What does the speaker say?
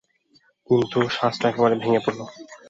কিন্তু স্বাস্থ্য একেবারে ভেঙে পড়ল।